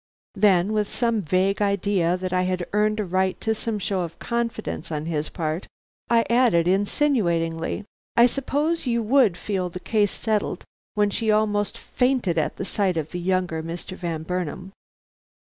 Then, with some vague idea that I had earned a right to some show of confidence on his part, I added insinuatingly: "I supposed you would feel the case settled when she almost fainted at the sight of the younger Mr. Van Burnam."